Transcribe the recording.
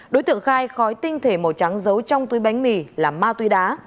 đối tượng khai khói tinh thể màu trắng giấu trong túi bánh mì là ma túy đá